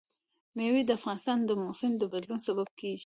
مېوې د افغانستان د موسم د بدلون سبب کېږي.